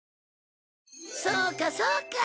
そうかそうか。